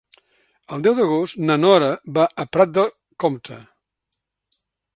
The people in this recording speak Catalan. El deu d'agost na Nora va a Prat de Comte.